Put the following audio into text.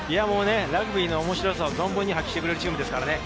ラグビーの面白さを存分に発揮してくれるチームです。